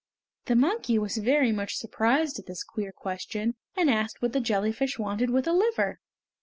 The monkey was very much surprised at this queer question, and asked what the jellyfish wanted with a liver.